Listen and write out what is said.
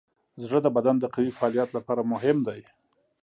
زړه د بدن د قوي فعالیت لپاره مهم دی.